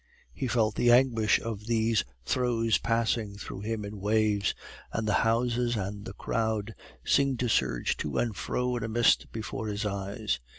He felt the anguish of these throes passing through him in waves, and the houses and the crowd seemed to surge to and fro in a mist before his eyes.